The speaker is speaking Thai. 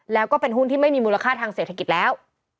แล้วก็เป็นหุ้นที่ไม่มีมูลค่าทางเศรษฐกิจแล้ว